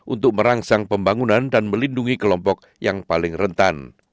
untuk merangsang pembangunan dan melindungi kelompok yang paling rentan